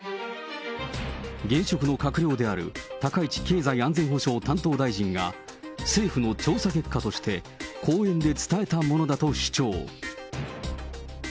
現職の閣僚である高市経済安全保障担当大臣が、政府の調査結果として、講演で伝えたものだと主張。